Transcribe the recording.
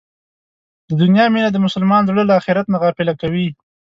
د دنیا مینه د مسلمان زړه له اخرت نه غافله کوي.